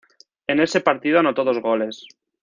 En ese partido anotó dos goles.